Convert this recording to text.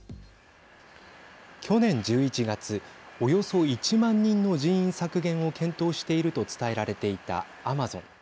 去年１１月およそ１万人の人員削減を検討していると伝えられていたアマゾン。